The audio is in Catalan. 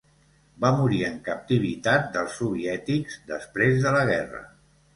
Va morir en captivitat dels soviètics després de la guerra.